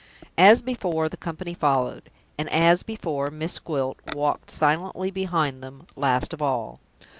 As before, the company followed; and, as before, Miss Gwilt walked silently behind them, last of all.